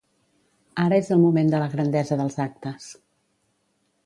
Ara és el moment de la grandesa dels actes.